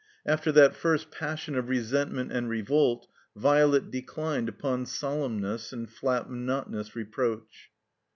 After that first passion of resentment and revolt Violet declined upoij std lenness and flat, monotonous reproach.